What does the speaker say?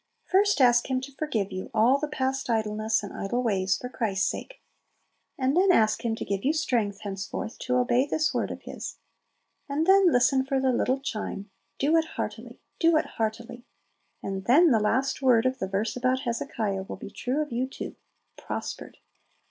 First ask Him to forgive you all the past idleness and idle ways, for Christ's sake, and then ask Him to give you strength henceforth to obey this word of His. And then listen to the little chime, "Do it heartily! do it heartily!" And then the last word of the verse about Hezekiah will be true of you too "Prospered!"